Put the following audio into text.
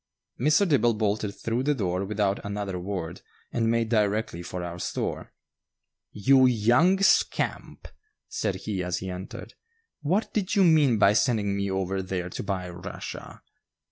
Mr. Dibble bolted through the door without another word and made directly for our store. "You young scamp!" said he as he entered; "what did you mean by sending me over there to buy Russia?"